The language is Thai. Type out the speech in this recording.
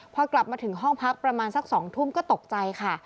พอกลับมาถึงห้องพักประมาณสัก๒ทุ่มก็ตกใจค่ะ